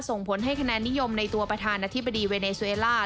ส่งผลให้คะแนนนิยมในตัวประธานาธิบดีเวเนซูเอล่า